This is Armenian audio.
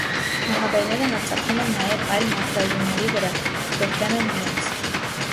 Մահաբերները հարձակվում են նաև այն մաքրարյուների վրա, ովքեր դեմ են իրենց։